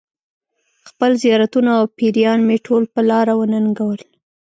خپل زیارتونه او پیران مې ټول په لاره وننګول.